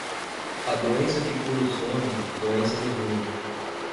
A doença que cura o sono, doença do vinho.